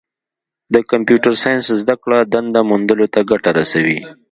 د کمپیوټر ساینس زدهکړه دنده موندلو ته ګټه رسوي.